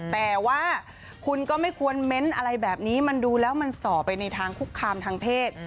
แต่ว่าคุณก็ไม่ควรเม้นต์อะไรแบบนี้มันดูแล้วมันส่อไปในทางคุกคามทางเพศ